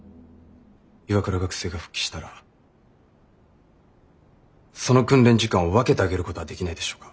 岩倉学生が復帰したらその訓練時間を分けてあげることはできないでしょうか？